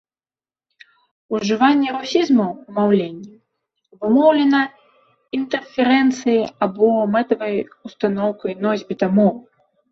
Ужыванне русізмаў у маўленні абумоўлена інтэрферэнцыяй або мэтавай устаноўкай носьбіта мовы.